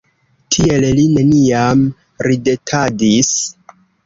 Tiel li neniam ridetadis.